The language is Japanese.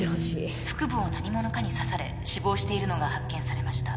腹部を何者かに刺され死亡しているのが発見されました